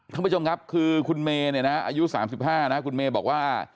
ท่านผู้ชมครับคือคุณเมย์เนี่ยนะอายุ๓๕นะคุณเมย์บอกว่า